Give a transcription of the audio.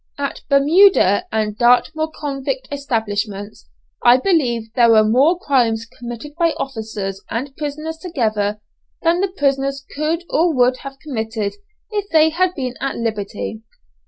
At Bermuda and Dartmoor convict establishments I believe there were more crimes committed by officers and prisoners together than the prisoners could or would have committed if they had been at liberty.